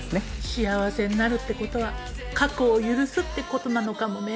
幸せになるって事は過去を許すって事なのかもね。